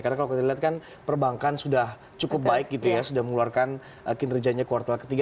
karena kalau kita lihat kan perbankan sudah cukup baik gitu ya sudah mengeluarkan kinerjanya kuartal ketiga